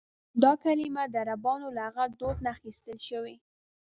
دا کلیمه د عربانو له هغه دود نه اخیستل شوې.